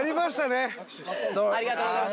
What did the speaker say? ありがとうございます。